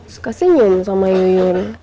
suka senyum sama yuyun